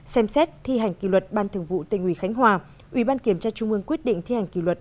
xem xét thi hành kỳ luật ban thường vụ tỉnh hòa bình ủy ban kiểm tra trung mương quyết định thi hành kỳ luật